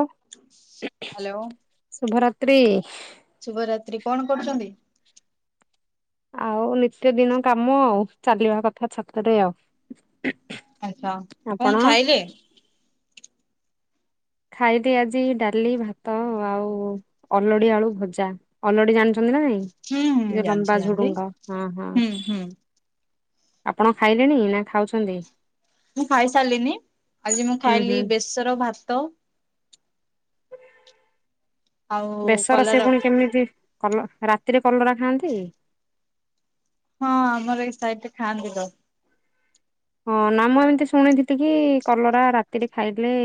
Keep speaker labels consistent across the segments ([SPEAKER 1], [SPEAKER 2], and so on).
[SPEAKER 1] ଆଉ
[SPEAKER 2] ହ୍ୟାଲୋ।
[SPEAKER 1] [unintelligible] ଶୁଭରାତ୍ରି।
[SPEAKER 2] ଶୁିବରାତ୍ରି କଣ କରୁଛନ୍ତି?
[SPEAKER 1] ଆଉ ନିତ୍ୟ ଦିନ କାମ ଆଉ ଚାଲିବା କଥା ଛତରେ ଆଉ।
[SPEAKER 2] ଆଛା
[SPEAKER 1] ଆପଣ
[SPEAKER 2] କଣ ଖାଇଲେ?
[SPEAKER 1] ଖାଇଲି ଆଜି ଡାଲି ଭାତ ଆଉ ଅଲଡି ଆଳୁ ଭଜା ଅଲୋଡି ଜାଣିଛୁ? ଛନ୍ତି ନା ନାଇଁ
[SPEAKER 2] ହୁଁ ହୁଁ
[SPEAKER 1] ଯ
[SPEAKER 2] ଜାଣିଛି
[SPEAKER 1] ଲମ୍ବା
[SPEAKER 2] ଜାଣିଛି
[SPEAKER 1] ଝୁଡୁଙ୍ଗ ହଁ ହଁ।
[SPEAKER 2] ହୁଁ ହୁଁ
[SPEAKER 1] ଆପଣ ଖାଇଲେଣି ନା ଖାଉଛନ୍ତି?
[SPEAKER 2] ମୁଁ ଖାଇସାରିଲିନି ଆଜି ମୁଁ
[SPEAKER 1] ହୁଁ ହୁଁ
[SPEAKER 2] ଖାଇଲି ବେସର ଭାତ। ଆଉ
[SPEAKER 1] ବେଶର ସେ
[SPEAKER 2] କଲରା
[SPEAKER 1] ପୁଣି କେମିତି କଲ ରାତିରେ କଲରା ଖାଆନ୍ତି?
[SPEAKER 2] ହଁ ଆମର ଏଇ ସାଇଟ୍ ରେ ଖାଆନ୍ତି ତ।
[SPEAKER 1] ହଁ ନା ମୁଁ ଏମିତି ଶୁଣିଥିଲି କି କଲରା ରାତିରେ ଖାଇଲେ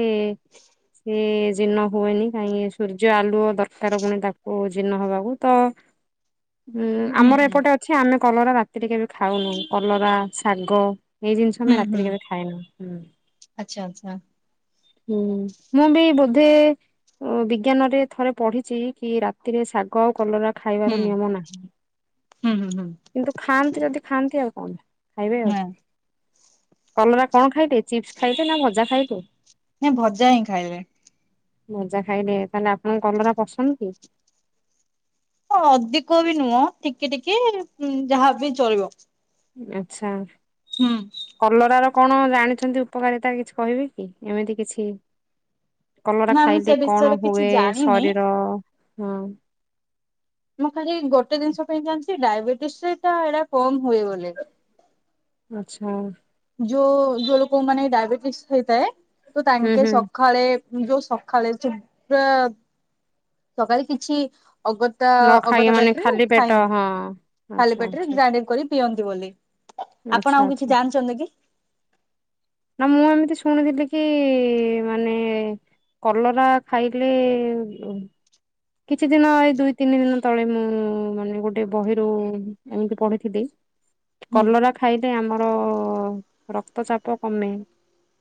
[SPEAKER 1] ସେ ଜୀର୍ଣ୍ଣ ହୁଏନି କାହିଁକି ସୂର୍ଯ୍ୟ ଆଳୁଅ ଦରକାର ପୁଣି ତାକୁ ଜୀର୍ଣ୍ଣ ହେବାକୁ ତ [inaudible] ଉଁ
[SPEAKER 2] ହୁଁ
[SPEAKER 1] ଆମର
[SPEAKER 2] ହୁଁ
[SPEAKER 1] ଏପଟେ ଅଛି ଆମେ କଲରା ରାତିରେ କେବେ ଖାଉନୁ କଲରା, ଶାଗ ଏଇ ଜିନିଷ ଆମେ
[SPEAKER 2] ହୁଁ ହୁଁ
[SPEAKER 1] ରାତିରେ କେବେ ଖାଇନୁ।
[SPEAKER 2] ଆଚ୍ଛା ଆଚ୍ଛା
[SPEAKER 1] ହୁଁ ମୁଁ ବି ବୋଧେ ବିଜ୍ଞାନରେ ଥରେ ପଢିଛି କି ରାତିରେ ଶାଗ ଆଉ କଲରା
[SPEAKER 2] ହୁଁ
[SPEAKER 1] ଖାଇବାର ନିୟମ ନାହିଁ।
[SPEAKER 2] ହୁଁ ହୁଁ ହୁଁ
[SPEAKER 1] କିନ୍ତୁ ଖାଆନ୍ତି ଯଦି ଖାଆନ୍ତି ଆଉ କଣ ଖାଇବେ ଆଉ।
[SPEAKER 2] ନାଇଁ
[SPEAKER 1] କଲରା କଣ ଖାଇବେ ଚିପ୍ସ ଖାଇବେ ନା ଭଜା ଖାଇବେ?
[SPEAKER 2] ନାଁ ଭଜା ହିଁ ଖାଇଲେ।
[SPEAKER 1] ମଜା ଖାଇଲେ, ତାହେଲେ ଆପଣଙ୍କ କଲରା ପସନ୍ଦ କି?
[SPEAKER 2] ହଁ ଅଧିକ ବି ନୁହଁ ଟିକେ ଟିକେ ଯାହାବ ଚଳିବ।
[SPEAKER 1] ଆଚ୍ଛା।
[SPEAKER 2] ହୁଁ।
[SPEAKER 1] କଲର ର କଣ ଜାଣିଛନ୍ତି ଉପକାରିତା? କିଛି କହିବି କି ଏମିତି କିଛି। କଲରା
[SPEAKER 2] ନା ମୁଁ ସେ
[SPEAKER 1] ଖାଇଲେ କଣ
[SPEAKER 2] ବିଷୟରେ କିଛି
[SPEAKER 1] ହୁଏ
[SPEAKER 2] ଜାଣିନି।
[SPEAKER 1] ଶରୀର? ହଁ
[SPEAKER 2] ମୁଁ ଖାଲି ଗୋଟେ ଜିନିଷ ପାଇଁ ଜାଣିଛି ଡାଇବେଟିସ ରେ ଏଇଡା କମ ହୁଏ ବୋଲି।
[SPEAKER 1] ଆଚ୍ଛା।
[SPEAKER 2] ଯୋଉ ଯୋଉ ଲୋକ ମାନେ ଡାଇବେଟିସ ହେଇଥାଏ ତ
[SPEAKER 1] ହୁଁ
[SPEAKER 2] ତାଙ୍କେ
[SPEAKER 1] ହୁଁ
[SPEAKER 2] ସକାଳେ ଯୋଉ ସକାଳେ ସେ ପା ସକାଳେ କିଛି ଅଗ
[SPEAKER 1] ନ ଖାଇ
[SPEAKER 2] ଅଗତା
[SPEAKER 1] ମାନେ
[SPEAKER 2] ବେଟରେ
[SPEAKER 1] ଖାଲି ପେଟ
[SPEAKER 2] ଖାଇ
[SPEAKER 1] ହଁ ଆଚ୍ଛା
[SPEAKER 2] ଖାଲି ବେଟରେ
[SPEAKER 1] ଆଚ୍ଛା।
[SPEAKER 2] ଗ୍ରାଇଡି କରି ପିଅନ୍ତି ବୋଲି
[SPEAKER 1] ଆଚ୍ଛା
[SPEAKER 2] ଆପଣ ଆଉ କିଛି
[SPEAKER 1] ଆଚ୍ଛା
[SPEAKER 2] ଜାଣିଛନ୍ତି କି?
[SPEAKER 1] ନା ମୁଁ ଏମିତି ଶୁଣିୁଥିଲି କି ମାନେ କଲରା ଖାଇଲେ କିଛି ଦିନ ଏଇ ଦୁଇ ତିନି ଦିନ ତଳେ ମୁଁ ମାନେ ଗୋଟେ ବହିରୁ ଏମିତି ପଢିଥିଲି।
[SPEAKER 2] ହୁଁ
[SPEAKER 1] କଲରା ଖାଇଲେ ଆମର ରକ୍ତ ଚାପ କମେ।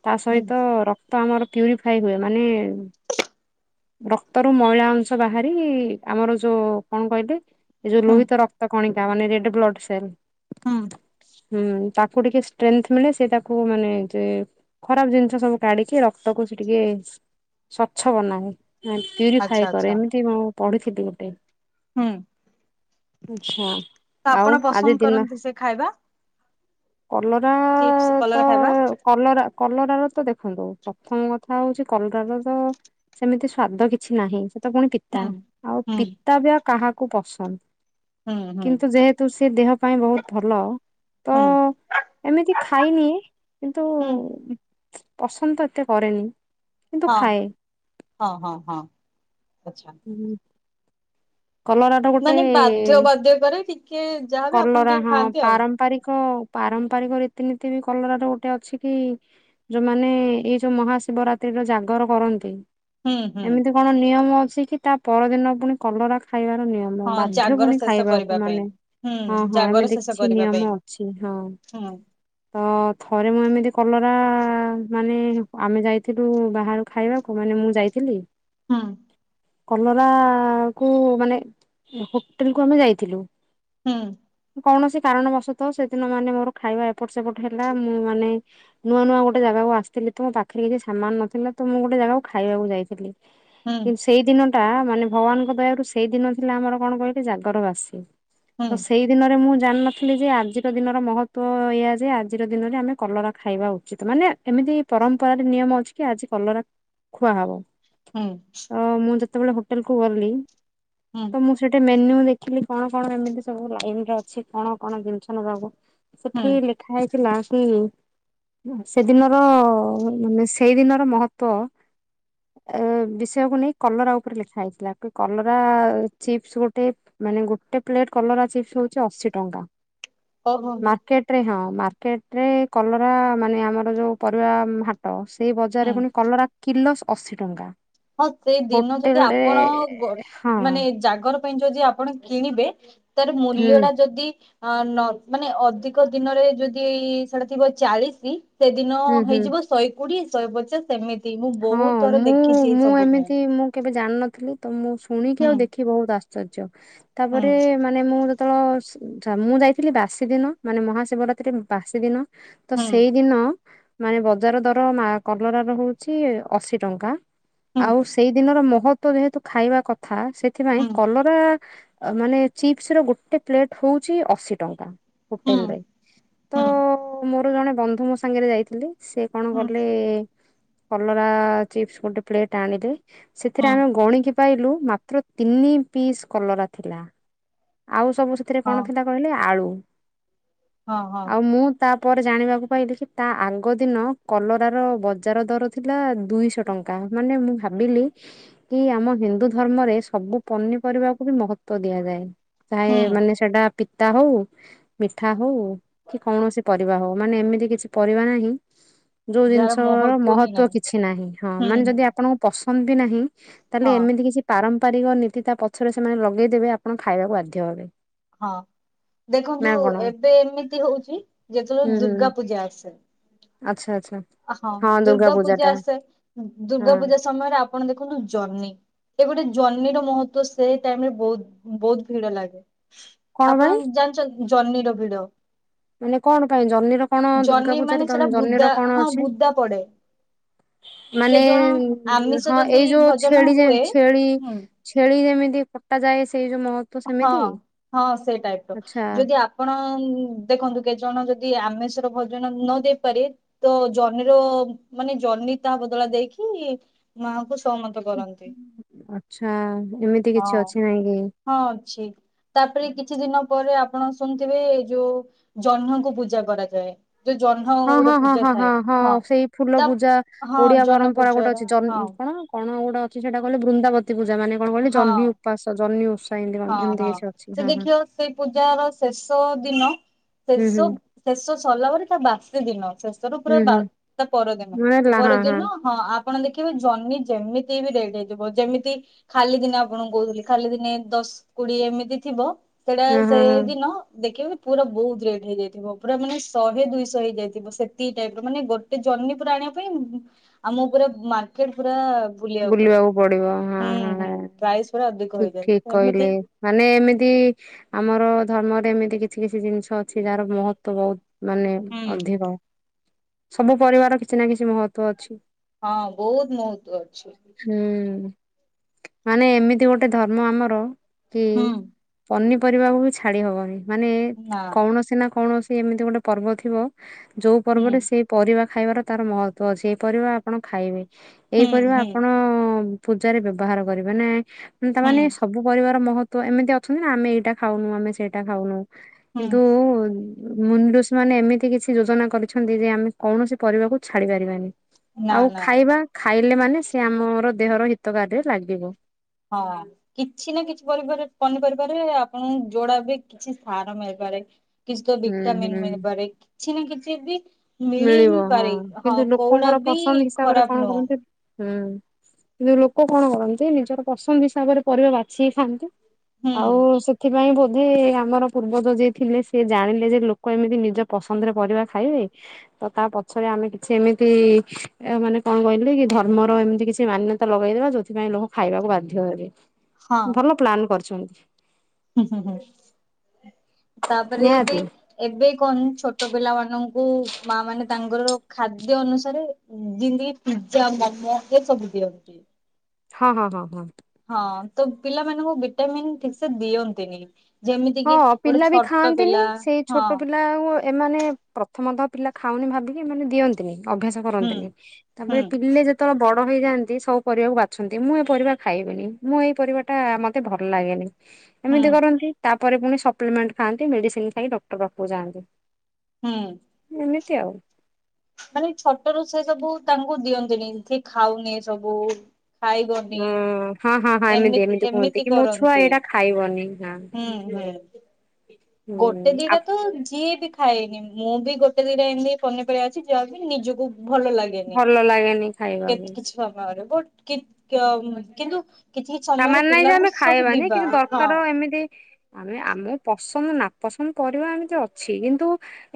[SPEAKER 1] ତା
[SPEAKER 2] ହୁଁ
[SPEAKER 1] ସହିତ ରକ୍ତ ଆମର ପରିଫାଇ ହୁଏ ମାନେ ରକ୍ତ ର ମଳା ଅ ବାହାରି ଆମର ଯୋଉ କଣ କହିଲେ? ଯୋଉ
[SPEAKER 2] ହୁଁ
[SPEAKER 1] ଲୋହିତ ରକ୍ତ କଣିକା ମାନେ ରେଡ୍ ବ୍ଲଡ଼୍ ସେଲ।
[SPEAKER 2] ହୁଁ
[SPEAKER 1] ହୁଁ, ତାକୁ ଟିକେ ଷ୍ଟ୍ରେନ୍ଥ ମିଳେ ସେ ତାକୁ ମାନେ ଯେ ଖରାପ ଜିନିଷ ସବୁ କାଢିକି ରକ୍ତ କି ସେ ଟିକେ ସ୍ୱଚ୍ଛ ବନାଏ।
[SPEAKER 2] ଆଚ୍ଛା
[SPEAKER 1] ପ୍ୟୁରିଫାଇ କରେ
[SPEAKER 2] ଆଚ୍ଛା
[SPEAKER 1] ଏମିତି ମୁଁ ପଢିଥିଲି ଗୋଟେ
[SPEAKER 2] ହୁଁ
[SPEAKER 1] ଆଚ୍ଛା
[SPEAKER 2] ତ
[SPEAKER 1] ଆଉ
[SPEAKER 2] ଆପଣ
[SPEAKER 1] ଆଜି
[SPEAKER 2] ପସନ୍ଦ
[SPEAKER 1] ଦିନ
[SPEAKER 2] କରନ୍ତି ସେ ଖାଇବା
[SPEAKER 1] କଲରା
[SPEAKER 2] ଚିପ୍ସ
[SPEAKER 1] ତ
[SPEAKER 2] କଲରା ଖାଇବା
[SPEAKER 1] କଲରା। କଲର ର ତ ଦେଖନ୍ତୁ ପ୍ରଥମ କଥା ହଉଛି କଲର ର ତ ସେମିତି ସ୍ଵାଦ କିଛି ନାହିଁ ସେ ତ ପୁଣି ପିତା
[SPEAKER 2] ହୁଁ
[SPEAKER 1] ଆଉ
[SPEAKER 2] ହୁଁ
[SPEAKER 1] ପିତା ବି ଆଉ କାହାକୁ ପସନ୍ଦ।
[SPEAKER 2] ହୁଁ ହୁଁ
[SPEAKER 1] କିନ୍ତୁ ଯେହେତୁ ସେ ଦେହ ପାଇଁ ବହୁତ ଭଲ ତ
[SPEAKER 2] ହୁଁ
[SPEAKER 1] ଏମିତି ଖାଇନି କିନ୍ତୁ
[SPEAKER 2] ହୁଁ
[SPEAKER 1] ପସନ୍ଦ ତ ଏତେ କରେନି କିନ୍ତୁ
[SPEAKER 2] ହଁ
[SPEAKER 1] ଖାଏ।
[SPEAKER 2] ହଁ ହଁ ହଁ ଆଚଛା।
[SPEAKER 1] କଲରା ଟା ଗୋଟେ
[SPEAKER 2] ମାନେ ବାଧ୍ୟ ବାଧ୍ୟ କରେ ଟିକେ ଯାହାବି ଆପଣ
[SPEAKER 1] କଲରା
[SPEAKER 2] ଟିକେ
[SPEAKER 1] ହଁ
[SPEAKER 2] ଖାଆନ୍ତି ଆଉ
[SPEAKER 1] ପାରମ୍ପରିକ ପାରମ୍ପାରିକ ରୀତିନୀତି ରେ କଲର ଟା ଗୋଟେ ଅଛି କି ଯୋଉମାନେ ଏଇ ଯୋଉ ମହାଶିବରାତ୍ରିର ଜାଗର କରନ୍ତି।
[SPEAKER 2] ହୁଁ ହୁଁ।
[SPEAKER 1] ଏମିତି କଣ ନିୟମ ଅଛି କି ତା ପରଦିନ ପୁଣି କଲରା ଖାଇବାର ନିୟମ
[SPEAKER 2] ହଁ
[SPEAKER 1] ବାଧ୍ୟ
[SPEAKER 2] ଜାଗର
[SPEAKER 1] ପୁଣି
[SPEAKER 2] ଶେଷ
[SPEAKER 1] ଖାଇବାକୁ
[SPEAKER 2] କରିବା ପାଇଁ
[SPEAKER 1] ମାନେ ହଁ
[SPEAKER 2] ହୁଁ
[SPEAKER 1] ହଁ
[SPEAKER 2] ଜାଗର
[SPEAKER 1] ଏମିତି
[SPEAKER 2] ଶେଷ
[SPEAKER 1] କିଛି
[SPEAKER 2] କରିବା ପାଇଁ
[SPEAKER 1] ନିୟମ ଅଛି ହଁ।
[SPEAKER 2] ହୁଁ
[SPEAKER 1] ତ ଥରେ ମୁଁ ଏମିତି କଲରା ମାନେ ଆମେ ଯାଇଥିଲୁ ବାହ ଖାଇବାକୁ କୁ ମାନେ ମୁଁ ଯାଇଥିଲି।
[SPEAKER 2] ହୁଁ।
[SPEAKER 1] କଲରା କୁ ମାନେ ହୋଟେଲ କୁ ଆମେ ଯାଇଥିଲୁ।
[SPEAKER 2] ହୁଁ।
[SPEAKER 1] କୌଣସି କାରଣ ବସ ତହ ସେଦିନ ମାନେ ମୋର ଖାଇବା ଏପଟ ସେପଟ ହେଲା ମୁଁ ମାନେ ନୂଆ ନୂଆ ଗୋଟେ ଜାଗାକୁ ଆସିଥିଲି ତ ମୋ ପାଖରେ କିଛି ସାମାନ ନଥିଲା ତ ମୁଁ ଗୋଟେ ଜାଗାକୁ ଖାଇବାକୁ ଯାଇଥିଲି।
[SPEAKER 2] ହୁଁ
[SPEAKER 1] କି ସେଇ ଦିନଟା ମାନେ ଭଗବାନଙ୍କ ଦୟାରୁ ସି ସେଇ ଦିନ ଥିଲା ଆମର କଣ କହିଲେ ଜାଗର ବାସି
[SPEAKER 2] ହୁଁ
[SPEAKER 1] ତ ସେଇ ଦିନରେ ମୁଁ ଜାଣିନଥିଲି ଯେ ଆଜିର ଦିନର ମହତ୍ଵ ଏହା ଯେ ଆଜିର ଦିନରେ ଆମେ କଲରା ଖାଇବା ଉଚିତ। ମାନେ ଏମିତି ପରମ୍ପରାରେ ନିୟମ ଅଛି କି ଆଜି କଲରା ଖୁଆହବ।
[SPEAKER 2] ହୁଁ।
[SPEAKER 1] ତ ମୁଁ ଯେତେବେଳେ ହୋଟେଲକୁ ଗଲି।
[SPEAKER 2] ହୁଁ
[SPEAKER 1] ତ ମୁଁ ସେଠି ମେନ୍ୟୁ ଦେଖିଲି କଣ କଣ ଏମିତି ସବୁ ଲାଇନରେ ଅଛି କଣ କଣ ଜିନିଷ ନବାକୁ?
[SPEAKER 2] ହୁଁ
[SPEAKER 1] ସେଠି ଲେଖା ହେଇଥିଲା କି ସେଦିନର ମାନେ ସେଇଦିନର ମହତ୍ବ। ଏ ବିଷୟକୁୁ ନେଇ କଲରା ଉପରେ ଲେଖା ହେଇଥିଲା କି କଲରା ପୁରା ଚିପ୍ସ ଗୋଟେ ମାନେ ଗୋଟେ ପ୍ଲେଟ କଲରା ଚିପ୍ସ ହଉଚ ଅଶୀ ଟଙ୍କା।
[SPEAKER 2] ଓହୋ।
[SPEAKER 1] ମାର୍କେଟରେ ହଁ ମାର୍କେଟରେ କଲରା ମାନେ ଆମର ଯେଉ ପରିବା ହା ସେଇ
[SPEAKER 2] ହୁଁ
[SPEAKER 1] ବଜାରରେ ପୁଣି କଲରା କିଲୋ ଅଶୀ ଟଙ୍କା।
[SPEAKER 2] ହଁ ସେଇ ଦିନ ଯଦି
[SPEAKER 1] ହୋଟେଲରେ
[SPEAKER 2] ଆପଣ
[SPEAKER 1] ହଁ
[SPEAKER 2] ମାନେ ଜାଗର ପାଇଁ ଯଦି ଆପଣ କିଣିବେ ତାର
[SPEAKER 1] ହୁଁ
[SPEAKER 2] ମୂଲ୍ୟଟା ଯଦି ଅ ନ ମାନେ ଅଧିକ ଦିନରେ ଯଦି ସେଟା ଥିବ ଚାଳିଶି। ସେଦିନ
[SPEAKER 1] ହୁଁ ହୁଁ
[SPEAKER 2] ହେଇଯିବ ଶହେ କୋଡିଏ ଶହେ ପଚାଶ ସେମିତି ମୁଁ
[SPEAKER 1] ହଁ
[SPEAKER 2] ବହୁତ ଥର
[SPEAKER 1] ମୁଁ
[SPEAKER 2] ଦେଖିଛି।
[SPEAKER 1] ମୁଁ
[SPEAKER 2] ସବୁ ପାଇଁ
[SPEAKER 1] ଏମିତି ମୁଁ କେବେ ଜାଣିନଥିଲି ତ ମୁଁ ଶୁଣିକି
[SPEAKER 2] ହୁଁ
[SPEAKER 1] ଆଉ ଦେଖି ବହୁତ ଆଶ୍ଚର୍ଯ୍ୟ।
[SPEAKER 2] ହୁଁ
[SPEAKER 1] ତାପରେ ମା ମାନେ ମୁଁ ଯେତେବେଳେ ମୁଁ ଯାଇଥିଲି ବାସି ଦିନ ମାନେ ମହାଶିବରାତ୍ରି ବାସି ଦିନ। ତ
[SPEAKER 2] ହୁଁ
[SPEAKER 1] ସେଇଦିନ ମାନେ ବଜାର ଦର କଲରାର ହଉ ଛି ଅଶୀ ଟଙ୍କା
[SPEAKER 2] ହୁଁ
[SPEAKER 1] ଆଉ ସେଇ ଦିନର ମହତ୍ଵ ଯେହେତୁ ଖାଇବା କଥା ସେଥିପାଇଁ
[SPEAKER 2] ହୁଁ
[SPEAKER 1] କଲରା ମାନେ ଚିପ୍ସର ଗୋଟେ ପ୍ଲେଟ ହଉଛି ଅଶୀ ଟଙ୍କା।
[SPEAKER 2] ହୁଁ
[SPEAKER 1] ହୋଟେଲରେ ତ
[SPEAKER 2] ହୁଁ
[SPEAKER 1] ମୋର ଜଣେ ବନ୍ଧୁ ମୋ ସାଙ୍ଗରେ ଯାଇଥିଲେ। ସେ କଣ
[SPEAKER 2] ହୁଁ
[SPEAKER 1] କଲେ କଲରା ଚିପ୍ସ ଗୋଟେ ପ୍ଲେଟ ଆଣିଲେ ସେଥିରେ
[SPEAKER 2] ହୁଁ
[SPEAKER 1] ଆମେ ଗଣିକି ପାଇଲୁ ମାତ୍ର ତିନି ପିସ୍ କଲରା ଥିଲା। ଆଉ ସବୁ ସେଥିରେ
[SPEAKER 2] ହଁ
[SPEAKER 1] କଣ ଥିଲା କହିଲେ ଆଳୁ
[SPEAKER 2] ହଁ ହଁ
[SPEAKER 1] ଆଉ ମୁଁ ତାପରେ ଜାଣିବାକୁ ପାଇଲି କି ତା ଆଗ ଦିନ କଲର ର ବଜାର ଦର ଥିଲା ଦୁଇଶହ ଟଙ୍କା ମାନେ ମୁଁ ଭାବିଲି କି ଆମ ହିନ୍ଦୁ ଧର୍ମରେ ସବୁ ପନିପରିବାକୁ ବି ମହତ୍ଵ ଦିଆଯାଏ।
[SPEAKER 2] ହୁଁ
[SPEAKER 1] ଥାଏ ମାନେ ସେଟା ପିତା ହଉ ମିଠା ହଉ କି କୌଣସି ପରିବା ହଉ ମାନେ ଏମିତି କିଛି ପରିବା ନାହିଁ ଯୋଉ
[SPEAKER 2] ଯାହାର
[SPEAKER 1] ଜିନିଷ ର
[SPEAKER 2] ହିଁ
[SPEAKER 1] ମହତ୍ଵ
[SPEAKER 2] ନାହିଁ
[SPEAKER 1] କିଛି ନାହିଁ। ହଁ
[SPEAKER 2] ହୁଁ
[SPEAKER 1] ମାନେ
[SPEAKER 2] ହୁଁ
[SPEAKER 1] ଯଦି ଆପଣଙ୍କୁ ପସନ୍ଦ ବି ନାହିଁ
[SPEAKER 2] ହଁ
[SPEAKER 1] ତାହେଲେ ଏମିତି କିଛି ପାରମ୍ପରିକ ନୀତି ତା ପଛରେ ସେମାନେ ଲଗେଇଦବେ ଆପଣ ଖାଇବାକୁ ବାଧ୍ୟ ହେବେ।
[SPEAKER 2] ହଁ
[SPEAKER 1] ନା
[SPEAKER 2] ଦେଖନ୍ତୁ
[SPEAKER 1] କଣ
[SPEAKER 2] ଏବେ ଏମିତି ହଉଛି
[SPEAKER 1] ହୁଁ
[SPEAKER 2] ଯେତେବେଳେ
[SPEAKER 1] ହୁଁ
[SPEAKER 2] ଦୁର୍ଗା ପୂଜା ଆସେ।
[SPEAKER 1] ଆଚ୍ଛା ଆଚ୍ଛା।
[SPEAKER 2] ହଁ ଦୁର୍ଗା ପୂଜା ଆସେ
[SPEAKER 1] ହଁ
[SPEAKER 2] ଦୁର୍ଗା ପୂଜା ସମୟରେ ଆପଣ ଦେଖନ୍ତୁ ଜର୍ନି। ଏ ଗୋଟେ ଜନିର ମହତ୍ୱ ସେଇ ଟାଇମରେ ବହୁତ ବହୁତ ଭିଡ ଲାଗେ।
[SPEAKER 1] କଣ ପାଇଁ
[SPEAKER 2] ଆପଣ ଜାଣିଛନ୍ତି ଜର୍ନିର ଭିଡ?
[SPEAKER 1] ମାନେ କଣ ପାଇଁ ଜହ୍ନିର କଣ ଦୁର୍ଗା
[SPEAKER 2] ଜହ୍ନି ମାନେ
[SPEAKER 1] ପୂଜାରେ
[SPEAKER 2] ସେଟା ବୁଦା
[SPEAKER 1] ଜହ୍ନିର କଣ
[SPEAKER 2] ହଁ
[SPEAKER 1] ଅଛି
[SPEAKER 2] ବୁଦା ପଡେ। କେ
[SPEAKER 1] ମାନେ
[SPEAKER 2] ଜଣ ଆମିଷ
[SPEAKER 1] ହଁ
[SPEAKER 2] ଯଦି
[SPEAKER 1] ଏଇ ଯୋଉ
[SPEAKER 2] ଭଜନ
[SPEAKER 1] ଛେଳି ଯେ
[SPEAKER 2] ହୁଏ
[SPEAKER 1] ଛେଳି
[SPEAKER 2] ହୁଁ
[SPEAKER 1] ଛେଳି ଯେମିତି କଟାଯାଏ ସେଇ ଯୋଉ ମହ
[SPEAKER 2] ହଁ। ହଁ, ସେ ଟାଇପ ର
[SPEAKER 1] ଆଚ୍ଛା
[SPEAKER 2] ଯଦି ଆପ ଆପଣ ଦେଖନ୍ତୁ କେତେ ଜଣ ଯଦି ଆମିଷର ଭୋଜନ ନ ଦେଇପାରିବେ ତ ଜହ୍ନିର ମାନେ ଜହ୍ନି ତା ବଦଳରେ ଦେଇକି ମାଙ୍କୁ
[SPEAKER 1] ଆଛା। ଏମିତି
[SPEAKER 2] ହଁ
[SPEAKER 1] କିଛି ଅଛି ନାଇଁ କି?
[SPEAKER 2] ହଁ ଅଛି। ତାପରେ କିଛି ଦିନ ପରେ ଆପଣ ଶୁଣିୁଥିବେ ଯୋଉ ଜହ୍ନକୁ ପୂଜା କରାଯାଏ। ଯୋଉ ଜହ୍ନ
[SPEAKER 1] ହଁ, ହଁ,
[SPEAKER 2] ଗୋଟେ
[SPEAKER 1] ହଁ,
[SPEAKER 2] ପୂଜା
[SPEAKER 1] ହଁ, ହଁ,
[SPEAKER 2] ଥାଏ
[SPEAKER 1] ହଁ ସେଇ ଫୁଲ
[SPEAKER 2] ତା
[SPEAKER 1] ପୂଜା
[SPEAKER 2] ହଁ
[SPEAKER 1] ଓଡିଆ
[SPEAKER 2] ଜହ୍ନ
[SPEAKER 1] ପରମ୍ପରା ଗୋଟେ
[SPEAKER 2] ପୂଜାର
[SPEAKER 1] ଅଛି ଜ
[SPEAKER 2] ହଁ
[SPEAKER 1] କଣ? କଣ ଗୋଟେ ଅଛି ସେଟା କହିଲେ ବୃନ୍ଦାବତି ପୂଜା। ମାନେ କଣ କହିଲେ?
[SPEAKER 2] ହଁ
[SPEAKER 1] ଜହ୍ନି ଉପାସ, ଜହ୍ନି ଓଷା
[SPEAKER 2] ହଁ ହଁ
[SPEAKER 1] ଏମିତି କିଛି ଅଛି
[SPEAKER 2] ସେ
[SPEAKER 1] ହଁ ହଁ
[SPEAKER 2] ଦେଖିବ ସେଇ ପୂଜାର ଶେଷ ଦିନ।
[SPEAKER 1] ହୁଁ
[SPEAKER 2] ଶେଷ,
[SPEAKER 1] ହୁଁ
[SPEAKER 2] ଶେଷ ସରିଲା ପରେ ତା ବାସି ଦିନ। ଶେଷ ପୁରା
[SPEAKER 1] ହୁଁ
[SPEAKER 2] ବା
[SPEAKER 1] ହୁଁ
[SPEAKER 2] ତା ପରଦିନ।
[SPEAKER 1] ମିଳିଲା ହଁ
[SPEAKER 2] ପରଦିନ ହଁ ଆପଣ ଦେଖିବେ ଜହ୍ନି ଯେମିତି ହେଲେ ଦିଆ ଯାଇଥିବ। ଯେମିତି ଖାଲି ଦିନେ ଆପଣଙ୍କୁ କହୁଥିଲି। ଖାଲି ଦିନେ ଦଶ କୋଡିଏ ଏମିତି ଥିବ। ସେଟା
[SPEAKER 1] ହଁ
[SPEAKER 2] ସେ
[SPEAKER 1] ହଁ ହଁ
[SPEAKER 2] ଦିନ ଦେଖିବେ। ପୁରା ବହୁତ ରେଟ୍ ହେଇଯାଇଥିବ। ପୁରା ମାନେ ଶହେ ଦୁଇଶହ ହେଇଯାଇଥିବ। ସେତିକି ଟାଇପ ର ମାନେ ସେ ଜହ୍ନି ପୁରା ଆଣିବା ପାଇଁ ଆମକୁ ପୁରା ମାର୍କେଟ ପୁରା
[SPEAKER 1] ବୁଲିବାକୁ ପଡିବ। ହଁ,
[SPEAKER 2] ହୁଁ ହୁଁ
[SPEAKER 1] ହଁ,
[SPEAKER 2] ପ୍ରାଇସ୍ ପୁରା ଅଧିକ
[SPEAKER 1] ଠିକ
[SPEAKER 2] ହେଇଯାଏ
[SPEAKER 1] ଠିକ
[SPEAKER 2] ସେମିତି
[SPEAKER 1] କହିଲେ। ମାନେ ଏମିତି ଆମର ଧର୍ମରେ ଏମିତି କିଛି କିଛି ଜିନିଷ ଅଛି ଯାହାର ମହତ୍ଵ ବହୁତ ମାନେ
[SPEAKER 2] ହୁଁ।
[SPEAKER 1] ଅଧିକ। ସବୁ ପରିବାର କିଛି ନା କିଛି ମହତ୍ୱ ଅଛି।
[SPEAKER 2] ହଁ ବହୁତ ମହତ୍ଵ ଅଛି।
[SPEAKER 1] ହୁଁ, ମାନେ ଏମିତି ଗୋଟେ ଧର୍ମ ଆମର ହୁଁ। ପନିପରିବାକୁ ବି ଛାଡି ହବନି। ମାନେ
[SPEAKER 2] ନା
[SPEAKER 1] କୌଣସି ନା କୌଣସି ଏମିତି ଗୋଟେ ପର୍ବ ଥିବ, ଯୋଉ
[SPEAKER 2] ହୁଁ
[SPEAKER 1] ପର୍ବରେ ସେ ପରିବା ଖାଇବାର ତାର ମହତ୍ଵ ଅଛି। ଏଇ ପରିବା ଆପଣ ଖାଇବେ ଏଇ
[SPEAKER 2] ହୁଁ
[SPEAKER 1] ପରିବା
[SPEAKER 2] ହୁଁ
[SPEAKER 1] ହଁ, ପୂଜାରେ ବ୍ୟବହାର କରିବା ନା ତା
[SPEAKER 2] ହୁଁ
[SPEAKER 1] ମାନେ ସବୁ ପରିବା ମହତ୍ୱ ଏମିତି ଅଛନ୍ତି ନା ଆମେ ଏଇଟା ଖାଉନୁ, ଆମେ ସେଇଟା ଖାଉନୁ,
[SPEAKER 2] ହୁଁ
[SPEAKER 1] କିନ୍ତୁ ମୁନି ରୁଷ ମାନେ ଏମିତି କିଛି ଯୋଜନା କରିଛନ୍ତି ଯେ, ଆମେ କୌଣସି ପରିବାକୁ ଛାଡି ପାରିବାନି।
[SPEAKER 2] ନା
[SPEAKER 1] ଆଉ
[SPEAKER 2] ନା
[SPEAKER 1] ଖାଇବା। ଖାଇଲେ ମାନେ ସେ ଆମର ଦେହର ହିତକାରରେ ଲାଗିବ।
[SPEAKER 2] ହଁ କିଛି ନା କିଛି ପରିବାର ପନିପରିବାରେ ଆପଣଙ୍କୁ ଯୋଡା ବି କିଛି ସାର ମିଳିପାରେ। କିଛି ତ
[SPEAKER 1] ହୁଁ
[SPEAKER 2] ଭିଟାମିନ
[SPEAKER 1] ହୁଁ।
[SPEAKER 2] ମିଳିପାରେ। କିଛି ନା କିଛି ବି ମିଳି ହିଁ
[SPEAKER 1] ମିଳିବ। ହଁ
[SPEAKER 2] ପାରେ
[SPEAKER 1] କିନ୍ତୁ
[SPEAKER 2] କୋଉଡା
[SPEAKER 1] ଲୋକଙ୍କର
[SPEAKER 2] ବି
[SPEAKER 1] ପସନ୍ଦ ହିସାବରେ
[SPEAKER 2] ଖରାପ
[SPEAKER 1] କଣ
[SPEAKER 2] ନୁହଁ
[SPEAKER 1] କରନ୍ତି? ହୁଁ। କିନ୍ତୁ ଲୋକ କଣ କରନ୍ତି? ନିଜର ପସନ୍ଦ ହିସାବରେ ପରିବା ବାଛିକି ଖାଆନ୍ତି।
[SPEAKER 2] ହୁଁ
[SPEAKER 1] ଆଉ ସେ ଏଥିପାଇଁ ବୋଧେ ଆମର ପୂର୍ବ ଯୋ ଯିଏ ଥିଲେ, ସେ ଜାଣିଲେ ଯେ ଲୋକ ଏମିତି ନିଜ ପସନ୍ଦରେ ପରିବା ଖାଇବେ। ଆଉ ତା ପଛରେ ଆମେ କିଛି ଏମିତି ଆ ମାନେ କଣ କହିଲେ କି ଧର୍ମର ଏମିତି କିଛି ମାନ୍ୟତା ଲଗାଇଦବା ଯୋଉଥିପାଇଁ ଲୋକ ଖାଇବାକୁ ବାଧ୍ୟ ହେବେ।
[SPEAKER 2] ହଁ
[SPEAKER 1] ଭଲ ପ୍ଲାନ କରିଛନ୍ତି?
[SPEAKER 2] ହୁଁ ହୁଁ ହୁଁ। ତାପରେ ଏବେ
[SPEAKER 1] ନିହାତି
[SPEAKER 2] ଏବେ କଣ ଛୋଟ ପିଲା ମାନଙ୍କୁ ମା ମାନେ ତାଙ୍କର ଖାଦ୍ୟ ଅନୁସାରେ ଯେମିତି ପିଜ୍ଜା ମୋମୋ ଏ ସବୁ ଦିଅନ୍ତି।
[SPEAKER 1] ହଁ ହଁ ହଁ ହଁ।
[SPEAKER 2] ହଁ। ତ ପିଲାମାନଙ୍କୁ ବିଟାମିନ ଠିକ ସେ ଦିଅନ୍ତିନି। ଯେମିତି କିି
[SPEAKER 1] ହଁ।
[SPEAKER 2] ଗୋଟେ
[SPEAKER 1] ପିଲା ବି
[SPEAKER 2] ଛୋଟ
[SPEAKER 1] ଖାଆନ୍ତିନି
[SPEAKER 2] ପିଲା
[SPEAKER 1] ସେଇ
[SPEAKER 2] ହଁ
[SPEAKER 1] ଛୋଟ ପିଲା ଆଉ ଏମାନେ, ପ୍ରଥମ ତଃ ପିଲା ଖାଉନି ଭାବିକି ଏମାନେ ଦିଅନ୍ତିନି। ଅଭ୍ୟାସ
[SPEAKER 2] ହୁଁ
[SPEAKER 1] କରନ୍ତିନି
[SPEAKER 2] ହୁଁ
[SPEAKER 1] ତାପରେ ପିଲେ ଯେ ତ ବଡ଼ ହେଇଯାଆନ୍ତି ସବୁ ପରିବାକୁ ବାଛନ୍ତି ମୁଁ ଏ ପରିବା ଖାଇବିନି ମୁଁ ଏଇ ପରିବାଟା ମୋତେ ଭଲ ଲାଗେନି ତ
[SPEAKER 2] ହୁଁ
[SPEAKER 1] ଏମିତି କରନ୍ତି ତାପରେ ପୁଣି ସପ୍ଲିମେଣ୍ଟ ଖାଆନ୍ତି ମେଡ଼ିସିନ୍ ଖାଇ ଡକ୍ଟର ପାଖକୁ ଯାଆନ୍ତି।
[SPEAKER 2] ହୁଁ।
[SPEAKER 1] ଏମିତି ଆଉ।
[SPEAKER 2] ମାନେ ଛୋଟରୁ ସେ ସବୁ ତାଙ୍କୁ ଦିଅନ୍ତିନି ସିଏ ଖାଉନି ସବୁ। ଖାଇବନି।
[SPEAKER 1] ଉଁ ହଁ ହଁ।
[SPEAKER 2] ଏମି
[SPEAKER 1] ଏମିତି କୁହନ୍ତି
[SPEAKER 2] ଏମିତି
[SPEAKER 1] କି ମୋ ଛୁଆ
[SPEAKER 2] କରନ୍ତି
[SPEAKER 1] ଏଇଟା ଖାଇବନି ହଁ
[SPEAKER 2] ହୁଁ ହୁଁ।
[SPEAKER 1] ହୁଁ
[SPEAKER 2] ଗୋଟେ
[SPEAKER 1] ଆ
[SPEAKER 2] ଦିଟାତ ଯିଏ ବି ଖାଇନି ମୁଁବି ଗୋଟେ ଦିଇଟା ଏମିତି ପନିପରିବା ଅଛି ଯାହାବି ନିଜକୁ ଭଲ ଲା ଦିଏନି
[SPEAKER 1] ଭଲ ଲାଗେନି ଖାଇବାକୁ
[SPEAKER 2] ଙ୍କେତ କିଛି ସମୟରେ ବଟ୍ କିତ କିୟମ କିନ୍ତୁ କିଛି କିଛି ସମୟରେ
[SPEAKER 1] ତାମାନେ ନାହିଁଯେ
[SPEAKER 2] ପିଲାଙ୍କୁ
[SPEAKER 1] ଆମେ
[SPEAKER 2] ସବୁ
[SPEAKER 1] ଖାଇବାନି
[SPEAKER 2] ଦିବା
[SPEAKER 1] କିନ୍ତୁ
[SPEAKER 2] ହଁ
[SPEAKER 1] ଦରକାର ଏମିତି ଆମେ ଆମ ପସନ୍ଦ ନାପସନ୍ଦ ପରିବା ଏମିତି ଅଛି କିନ୍ତୁ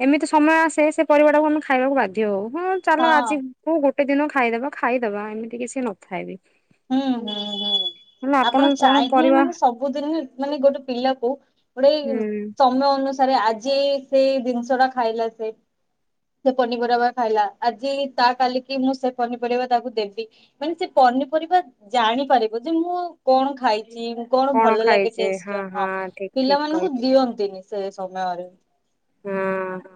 [SPEAKER 1] ଏମିତି ସମୟ ଆସେ ସେପରିବାଟାକୁ ଆମେ ଖାଇବାକୁ ବାଧ୍ୟ ହଉ ହଁ ଚାଲ ଆଜି କୋଉ ଗୋଟେ ଦିନ ଖାଇଦବା ଖାଇଦବା ଏମିତି କିଛି ନଥାଏବି।
[SPEAKER 2] ହୁଁ ହୁଁ ହୁଁ ଆପଣ
[SPEAKER 1] ଆପଣଙ୍କୁ କଣ ପରିବା
[SPEAKER 2] ଚାହିଁନି ସ ବୁ ଦିନି ମାନେ ଗୋଟେ ପିଲାକୁ ଗୋଡ଼େଇ ସ
[SPEAKER 1] ହୁଁ
[SPEAKER 2] ତମ ଅନୁସାରେ ଆଜି ଏଇ ସେଇ ଜିନିଷଟା ଖାଇଲାସେ ସେ ପନିପରିବା ଖାଇଲା ଆଜି ତା କାଲିକି ମୁଁ ସେ ପନିପରିବା ତାକୁ ଦେବି ମାନେ ସେପନିପରିବା ଜାଣିପାରିବ ଯେ ମୁଁ କଣ ଖାଇଚି କଣ ଭଲ ଲାଗେ
[SPEAKER 1] ଖାଇଛେ
[SPEAKER 2] ଟେଷ୍ଟର ହଁ
[SPEAKER 1] ଠିକ ଠିକ
[SPEAKER 2] ପିଲାମାନଙ୍କୁ
[SPEAKER 1] କହିଲେ
[SPEAKER 2] ଦିଅନ୍ତିନି ସେ ସମୟରେ।
[SPEAKER 1] ହୁଁ ହୁଁ।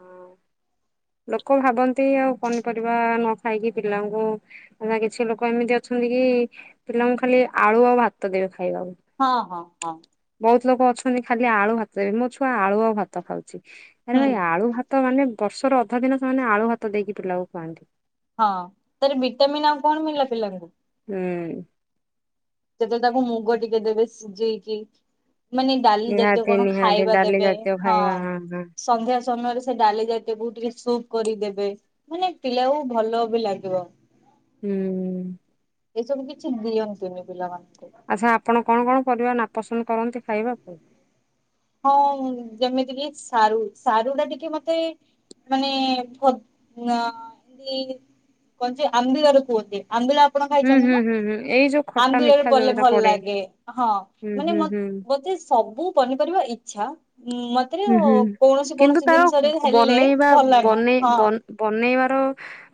[SPEAKER 1] ଲୋକ ଭାବନ୍ତି ଆଉ ପନିପରିବା ନଖାଇକି ପିଲାଙ୍କୁ କାଇଁ କିଛି ଲୋକ ଏମିତି ଅଛନ୍ତିକି ପିଲାଙ୍କୁ ଖାଲି ଆଳୁ ଆଉ ଭାତ ଦେବେ ଖାଇବାକୁ।
[SPEAKER 2] ହଁ ହଁ ହଁ।
[SPEAKER 1] ବହୁତ୍ ଲୋକ ଅଛନ୍ତି ଖାଲି ଆଳୁ ଭାତଦେବେ ମୋ ଛୁଆ ଆଳୁ ଆଉ ଭାତ ଖାଉଚି ଆରେ
[SPEAKER 2] ହୁଁ
[SPEAKER 1] ଭାଇ ଆଳୁ ଭାତ ତ ମାନେ ବର୍ଷର ଅଧା ଦିନ ସେମାନେ ଆଳୁ ଭାତ ଦେଇକି ପିଲାକୁ ଖୁଆନ୍ତି।
[SPEAKER 2] ହଁ ତାର ବିଟାମିନ୍ ଆଉ କଣ ମିଳିଲା ପିଲାଙ୍କୁ।
[SPEAKER 1] ହୁଁ।
[SPEAKER 2] ଯେତେବେଳେ ତାକୁ ମୁଗ ଟିକେ ଦେବେ ସିଯେଇକି ମାନେ ଡାଲି ଜାତୀୟ
[SPEAKER 1] ନିହାତି
[SPEAKER 2] କଣ
[SPEAKER 1] ନିହାତି
[SPEAKER 2] ଖାଇବା
[SPEAKER 1] ଡାଲି
[SPEAKER 2] ଦେବେ
[SPEAKER 1] ଜାତୀୟ
[SPEAKER 2] ହଁ।
[SPEAKER 1] ଖାଇବା ହଁ
[SPEAKER 2] ସନ୍ଧ୍ୟା ସମୟରେ ସେଡାଲି ଯାତୀୟକୁ ଟିକେ ସୁପ୍ କରିଦେବେ ମାନେ ପିଲାକୁ ଭଲବି ଲାଗିବ।
[SPEAKER 1] ହୁଁ।
[SPEAKER 2] ଏସବୁ କିଛି ଦିଅନ୍ତିନି ପିଲାମାନଙ୍କୁ।
[SPEAKER 1] ଆଚ୍ଛା ଆପଣ କଣ କଣ ପରିବା ନାପସନ୍ଦ କରନ୍ତି ଖାଇବା କୁ?
[SPEAKER 2] ହଁ ଯେମିତିକି ସାରୁ ସାରୁଟା ଟିକେ ମତେ ମାନେ ଫତ ନା ଏନି କାଞ୍ଚି ଆମ୍ବିଳାରୁ କୂଅତି ଆମ୍ବିଳା ଆପଣ
[SPEAKER 1] ହୁଁ ହୁଁ
[SPEAKER 2] ଖାଇଚନ୍ତିନା
[SPEAKER 1] ହୁଁ ହୁଁ ଏଇ ଯୋଉ ଖଟା
[SPEAKER 2] ଆମ୍ବିଳରେ
[SPEAKER 1] ମିଠା
[SPEAKER 2] ପଲେ
[SPEAKER 1] ଯୋଉରା
[SPEAKER 2] ଭଲ
[SPEAKER 1] ପଡେ
[SPEAKER 2] ଲାଗେ ହଁ
[SPEAKER 1] ହୁଁ
[SPEAKER 2] ମାନେ
[SPEAKER 1] ହୁଁ
[SPEAKER 2] ମ
[SPEAKER 1] ହୁଁ।
[SPEAKER 2] ବଧେ ସବୁ ପନିପରିବା ଇଚ୍ଛା ଉଁ ମ୍ ତୀରେ
[SPEAKER 1] ହୁଁ ହୁଁ
[SPEAKER 2] କୌଣସି
[SPEAKER 1] କିନ୍ତୁ
[SPEAKER 2] କୌଣସି
[SPEAKER 1] ତାର
[SPEAKER 2] ଜିନିଷରେ ହେଲେ
[SPEAKER 1] ବନେଇବା
[SPEAKER 2] ଭଲ ଲାଗେନି
[SPEAKER 1] ବନେଇ
[SPEAKER 2] ହଁ।
[SPEAKER 1] ବନ ବନେଇବାର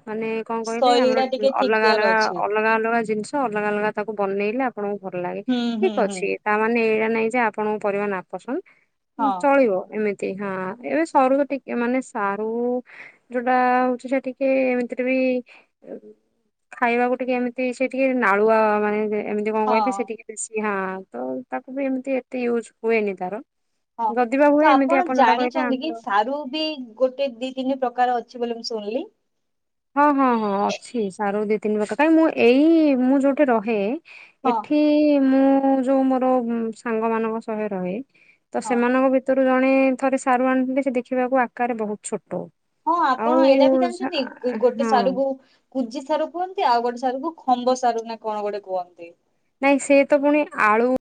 [SPEAKER 1] ମାନେ କଣ କହିଲେ
[SPEAKER 2] ଶୈଳୀ
[SPEAKER 1] ଆମର
[SPEAKER 2] ଟା ଟିକେ ଠିକ
[SPEAKER 1] ଅଲଗା
[SPEAKER 2] ଦିଆର
[SPEAKER 1] ଅଲଗା
[SPEAKER 2] ଅଛି
[SPEAKER 1] ଅଲଗା ଅଲଗା ଜିନିଷ ଅଲଗା ଅଲଗା ତାକୁ ବନେଇଲେ ଆପଣଙ୍କୁ ଭଲ ଲାଗେ।
[SPEAKER 2] ହୁଁ ହୁଁ।
[SPEAKER 1] ଠିକ
[SPEAKER 2] ହୁଁ
[SPEAKER 1] ଅଛି ତା ମାନେ ଏଇଟା ନାଇଁ ଯେ ଆପଣଙ୍କ ପରିବା ନାପସନ୍ଦ
[SPEAKER 2] ହ।
[SPEAKER 1] ରହିବ ଏମିତି ହଁ ଏବେ ସରୁ ତ ଟିକେ ମାନେ ସାରୁ ଯୋଉଟା ହଉଛି ସେ ଟିକେ ଏମିତିରେ ବି ଖାଇବାକୁ ଟିକେ ଏମିତି ସେ ଟିକେ ନାଳୁଆ ମାନେ ଏମିତି କଣ
[SPEAKER 2] ହଁ
[SPEAKER 1] କହିଲେ ସେଠିକେ ବେଶୀ ହଁ ତ ତାକୁ ବି ଏମିତି ଏତେ ୟୁଜ୍ ହୁଏନି ତାର
[SPEAKER 2] ହଁ
[SPEAKER 1] ଯଦି ବା ହୁଏ
[SPEAKER 2] ତ
[SPEAKER 1] ଏମିତି
[SPEAKER 2] ଆପଣ
[SPEAKER 1] ଯୋଉଟା କହିଲେ
[SPEAKER 2] ଜାଣିଛନ୍ତି କି
[SPEAKER 1] ଆମ୍ବୁଲ
[SPEAKER 2] ସାରୁ ବି ଗୋଟେ ଦି ତିନି ପ୍ରକାର ଅଛି ବୋଲି ମୁଁ ଶୁଣିଲି।
[SPEAKER 1] ହଁ ହଁ ହଁ ଅଛି ସାରୁ ଦି ତିନି ପାକ କାଇକି ମୁଁ ଏଇ ମୁଁ ଯୋଉଠି ରହେ
[SPEAKER 2] ହଁ
[SPEAKER 1] ଏଠି ମୁଁ ଯୋଉ ମୋର ସାଙ୍ଗ ମାନଙ୍କ ସହ ରହେ ତ
[SPEAKER 2] ହଁ
[SPEAKER 1] ସେମାନଙ୍କ ଭିତରୁ ଜଣେ ଥରେ ସାରୁ ଆଣିଥିଲେ ସେ ଦେଖିବାକୁ ଆକାରରେ ବହୁତ ଛୋଟ।
[SPEAKER 2] ହଁ
[SPEAKER 1] ଆଉ
[SPEAKER 2] ଆପଣ ଏଇଟା ବି
[SPEAKER 1] ସା-
[SPEAKER 2] ଜାଣିଛନ୍ତି ଗୋଟେ
[SPEAKER 1] ହଁ
[SPEAKER 2] ସାରୁକୁ କୁଜି ସାରୁ କୁହନ୍ତି ଆଉ ଗୋଟେ ସାରୁ କୁ ଖମ୍ବ ସାରୁ ନା କଣ ଗୋଟେ କୁହନ୍ତି।
[SPEAKER 1] ନାଇଁ ସେଏ ତ ପୁଣି ଆଳୁ